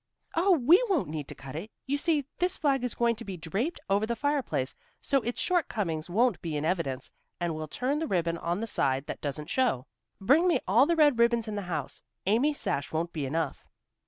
"Oh, we won't need to cut it. You see, this flag is going to be draped over the fireplace, so its shortcomings won't be in evidence, and we'll turn the ribbon on the side that doesn't show. Bring me all the red ribbons in the house. Amy's sash won't be enough."